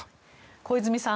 小泉さん